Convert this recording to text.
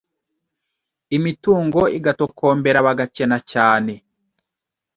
imitungo igatokombera bagakena cyane